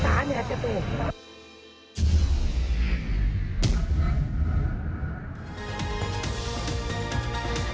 สวัสดีครับหญิง